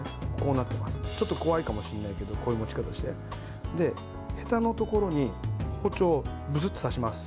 ちょっと怖いかもしれないけどこういう持ち方をしてへたのところに包丁をブスッと刺します。